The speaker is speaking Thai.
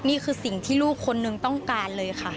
นี่คือสิ่งที่ลูกคนนึงต้องการเลยค่ะ